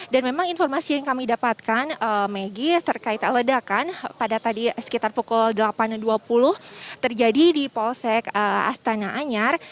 dan memang informasi yang kami dapatkan maggie terkait ledakan pada tadi sekitar pukul delapan dua puluh terjadi di polsek astana anyar